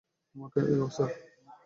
আমাকেও, স্যার।